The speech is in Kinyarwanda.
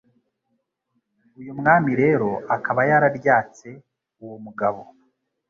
Uyu Mwami rero akaba yararyatse uwo mugabo